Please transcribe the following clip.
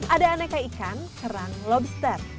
ada aneka ikan kerang lobster